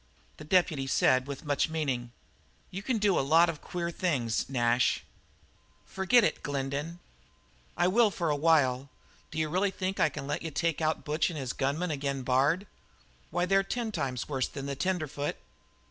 The deputy said with much meaning: "You can do a lot of queer things, Nash." "Forget it, Glendin." "I will for a while. D'you really think I can let you take out Butch and his gunmen ag'in' Bard? Why, they're ten times worse'n the tenderfoot."